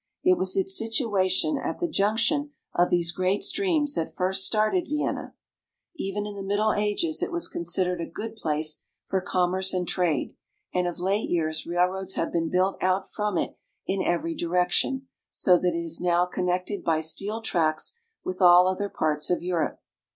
It was its situation at the junction of these great streams that first started Vienna. Even in the Middle Ages it was con sidered a good place for commerce and trade, and of late years railroads have been built out from it in every direc tion, so that it is now connected by steel tracks with all other parts of Europe.